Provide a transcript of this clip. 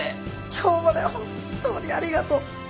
今日まで本当にありがとう！